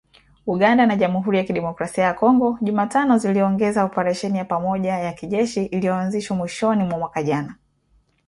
Uganda na Jamhuri ya Kidemokrasi ya Kongo Jumatano ziliongeza operesheni ya pamoja ya kijeshi iliyoanzishwa mwishoni mwa mwaka jana.